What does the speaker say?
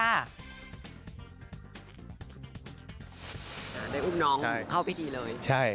ได้อุ้มน้องเข้าพิธีเลย